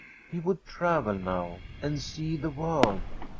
He would travel now and see the world.